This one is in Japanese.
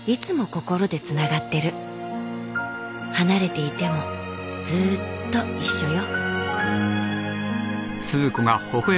離れていてもずっと一緒よ